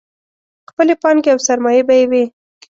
خپلې پانګې او سرمایې به یې وې.